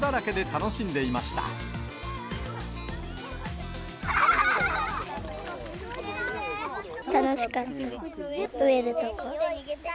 楽しかった。